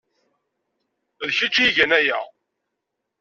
D kečč ay igan aya!